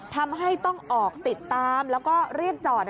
ทำให้ต้องออกติดตามแล้วก็เรียกจอด